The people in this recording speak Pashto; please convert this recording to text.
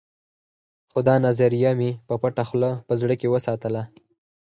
خو دا نظريه مې په پټه خوله په زړه کې وساتله.